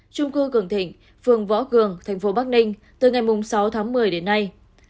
trung cư cường thịnh phường võ cường thành phố bắc ninh từ ngày sáu tháng một mươi đến nay